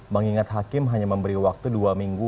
mengingat hakim hanya memberi waktu dua minggu